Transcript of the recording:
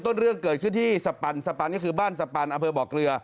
ต้นเรื่องเกิดขึ้นที่สปันสปันนี่คือบ้านสปันอำเภอบ่อเกลือ